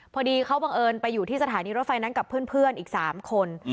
พอดีเขาบังเอิญไปอยู่ที่สถานีรถไฟนั้นกับเพื่อนอีก๓คน